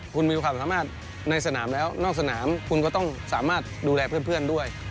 คุณมีความสามารถในสนามแล้วนอกสนามคุณก็ต้องสามารถดูแลเพื่อนด้วย